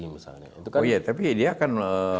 misalnya oh iya tapi dia akan